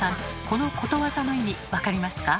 このことわざの意味分かりますか？